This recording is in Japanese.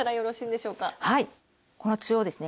この中央ですね